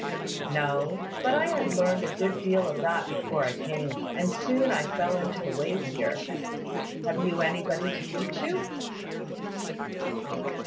"No: but I had learned a good deal of that before I came; and so I soon fell into the ways here. Have you anybody to teach you?"